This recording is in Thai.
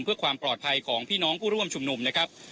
เพื่อความปลอดภัยของพี่น้องผู้ร่วมชุมนุมนะครับ